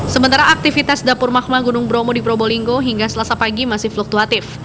sementara aktivitas dapur magma gunung bromo di probolinggo hingga selasa pagi masih fluktuatif